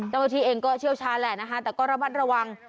แต่บางทีเองก็เชี่ยวชาญแหละนะคะแต่ก็ระวัดระวัง